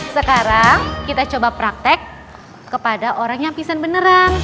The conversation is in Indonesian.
sekarang kita coba praktek kepada orang yang pisen beneran